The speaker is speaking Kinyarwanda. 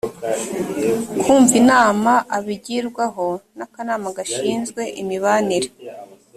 kumva inama abigirwaho n akanama gashinzwe imibanire